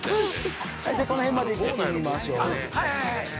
◆この辺まで行ってみましょう。